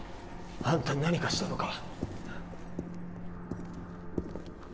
あんた何かしたのか？